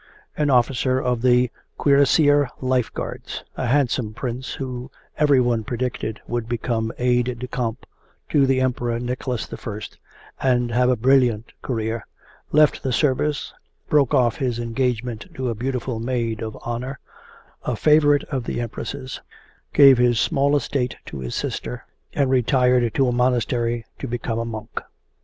An officer of the Cuirassier Life Guards, a handsome prince who everyone predicted would become aide de camp to the Emperor Nicholas I and have a brilliant career, left the service, broke off his engagement to a beautiful maid of honour, a favourite of the Empress's, gave his small estate to his sister, and retired to a monastery to become a monk.